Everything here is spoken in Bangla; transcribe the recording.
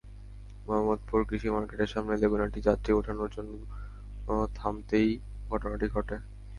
মোহাম্মদপুর কৃষি মার্কেটের সামনে লেগুনাটি যাত্রী ওঠানোর জন্য থামতেই ঘটনাটি ঘটে।